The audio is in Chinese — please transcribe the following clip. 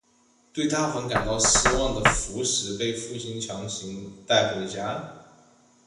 对大风感到失望的福实被父亲强行带回家。